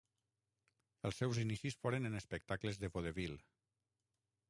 Els seus inicis foren en espectacles de vodevil.